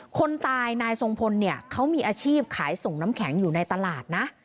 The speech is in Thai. คนตายนายทรงพลเนี่ยเขามีอาชีพขายส่งน้ำแข็งอยู่ในตลาดนะ